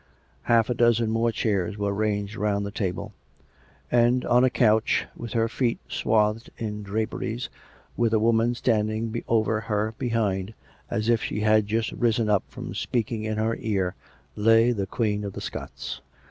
Half a dozen more chairs were ranged about the table; and, on a couch, with her feet swathed in draperies, with a woman standing over her behind, as if she had just risen up from speaking in her ear, lay the Queen of the Scots.